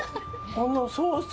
このソース。